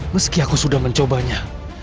meski aku sudah mencobanya